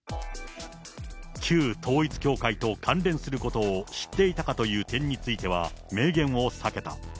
旧統一教会と関連することを知っていたかという点については、明言を避けた。